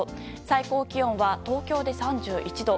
最高気温は東京で３１度。